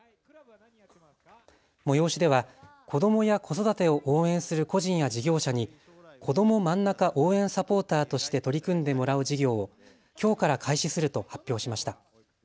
催しでは子どもや子育てを応援する個人や事業者にこどもまんなか応援サポーターとして取り組んでもらう事業をきょうから開始すると発表しました。